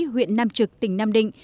huyện nam trực tỉnh nam định